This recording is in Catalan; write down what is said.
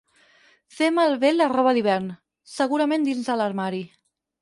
Fer malbé la roba d'hivern, segurament dins de l'armari.